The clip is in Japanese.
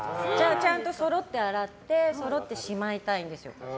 ちゃんとそろって洗ってそろってしまいたいんですよ。